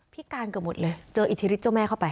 พิการเกือบหมดเลยเจออิทธิฤทธิเจ้าแม่เข้าไป